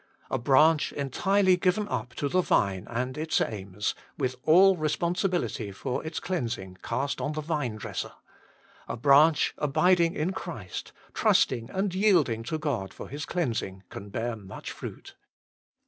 A branch entirely given up to the Vine and its aims, with all responsibility for its cleansing cast on the Vine dresser; a branch abiding in Christ, trusting and yielding to God for His cleansing, can bear much fruit.